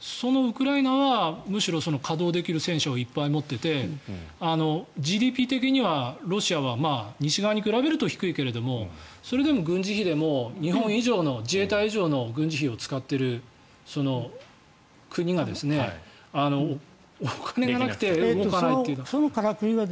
そのウクライナはむしろ稼働できる戦車をいっぱい持っていてＧＤＰ的にはロシアは西側に比べると低いけどもそれでも軍事費でも、日本以上の軍事費を使っている国がお金がなくて動かないというのは。